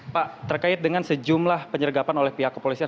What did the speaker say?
pak terkait dengan sejumlah penyergapan oleh pihak kepolisian